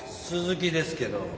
鈴木ですけど。